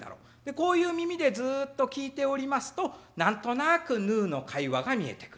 こういう耳でずっと聞いておりますと何となくヌーの会話が見えてくる。